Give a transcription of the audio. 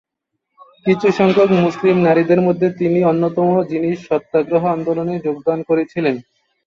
কিছু সংখ্যক মুসলিম নারীদের মধ্যে তিনি অন্যতম যিনি সত্যাগ্রহ আন্দোলনে যোগদান করেছিলেন।